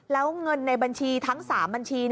แล้วเงินในบัญชีทั้ง๓บัญชี